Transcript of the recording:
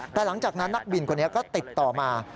แต่หลังจากนั้นนักบินคนนี้ก็ติดต่อมา